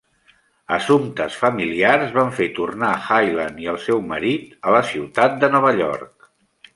Assumptes familiars van fer tornar Hyland i el seu marit a la ciutat de Nova York.